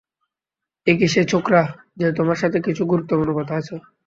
এই কি সেই ছোকড়া যে তোমার সাথে কিছু গুরুত্বপূর্ণ কথা আছে।